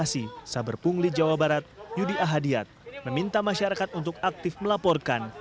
kasi saber pungli jawa barat yudi ahadiat meminta masyarakat untuk aktif melaporkan